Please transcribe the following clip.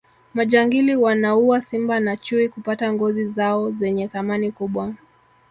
majangili wanaua simba na chui kupata ngozi zao zenye thamani kubwa